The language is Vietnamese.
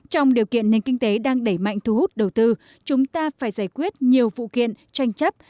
trong điều kiện nền kinh tế đang đẩy mạnh thu hút đầu tư chúng ta phải giải quyết nhiều vụ kiện tranh chấp